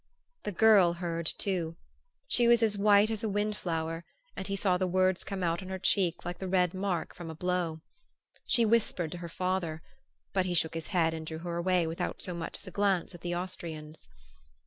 The girl heard too. She was as white as a wind flower and he saw the words come out on her cheek like the red mark from a blow. She whispered to her father, but he shook his head and drew her away without so much as a glance at the Austrians.